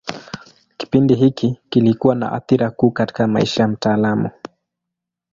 Kipindi hiki kilikuwa na athira kuu katika maisha ya mtaalamu.